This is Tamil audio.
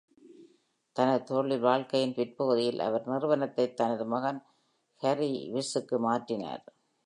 தனது தொழில் வாழ்க்கையின் பிற்பகுதியில், அவர் நிறுவனத்தை தனது மகன் ஹாரி இவ்ஸுக்கு மாற்றினார்.